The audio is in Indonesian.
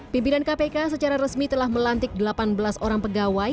pimpinan kpk secara resmi telah melantik delapan belas orang pegawai